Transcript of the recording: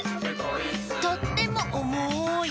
「とってもおもい！」